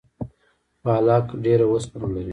پالک ډیره اوسپنه لري